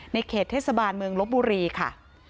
เขตเทศบาลเมืองลบบุรีค่ะ